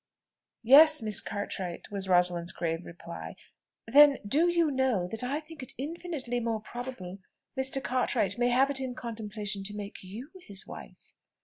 "Yes, Miss Cartwright," was Rosalind's grave reply. "Then, do you know that I think it infinitely more probable Mr. Cartwright may have it in contemplation to make you his wife."